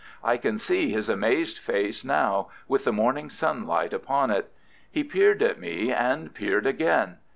I can see his amazed face now, with the morning sunlight upon it. He peered at me, and peered again.